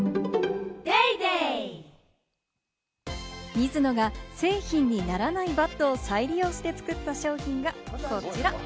ミズノが製品にならないバットを再利用して作った商品がこちら。